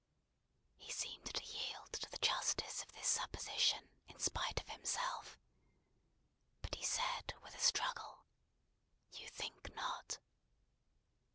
He seemed to yield to the justice of this supposition, in spite of himself. But he said with a struggle, "You think not."